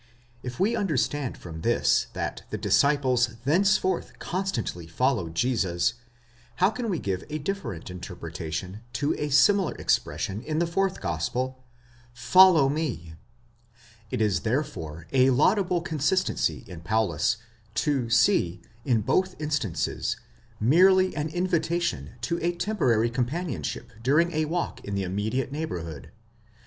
If we understand from this that the disciples thenceforth constantly followed Jesus, how can we give a differ ent interpretation to the similar expression in the fourth gospel, Fo/low me,. ἀκολούθει por? It is therefore a laudable consistency in Paulus, to see, in both instances, merely an invitation to a temporary companionship during a walk in the immediate neighbourhood.?